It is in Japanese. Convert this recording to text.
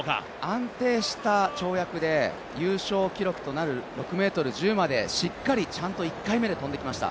安定した跳躍で、優勝記録となる６ｍ１０までしっかりちゃんと１回目で跳んできました。